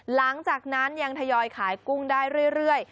หลังจากนั้นยังทยอยขายกุ้งได้เรื่อย